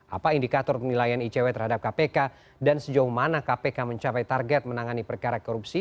apa indikator penilaian icw terhadap kpk dan sejauh mana kpk mencapai target menangani perkara korupsi